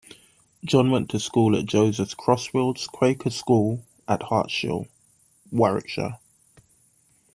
John went to school at Joseph Crosfields Quaker School at Hartshill, Warwickshire.